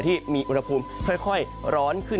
ที่มีอุณหภูมิค่อยร้อนขึ้น